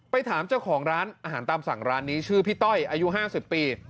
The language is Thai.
ถามเจ้าของร้านอาหารตามสั่งร้านนี้ชื่อพี่ต้อยอายุ๕๐ปี